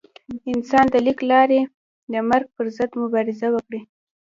انسان د لیک له لارې د مرګ پر ضد مبارزه وکړه.